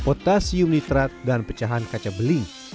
potassium nitrat dan pecahan kaca bling